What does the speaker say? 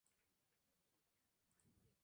Durante algún tiempo trabajó para Radio Moscú.